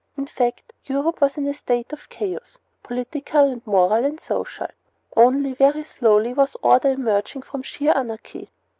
In fact, Europe was in a state of chaos political and moral and social. Only very slowly was order emerging from sheer anarchy.